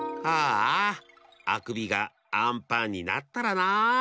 ああくびがあんパンになったらなあ。